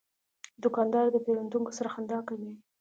دوکاندار د پیرودونکو سره خندا کوي.